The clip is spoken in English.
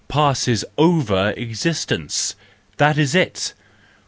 Passing over existence! That is it!